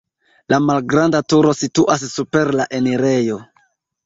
La malgranda turo situas super la enirejo.